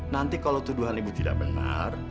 nanti kalau tuduhan ibu tidak benar